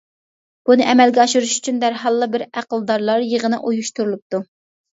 بۇنى ئەمەلگە ئاشۇرۇش ئۈچۈن دەرھاللا بىر ئەقىلدارلار يىغىنى ئۇيۇشتۇرۇلۇپتۇ.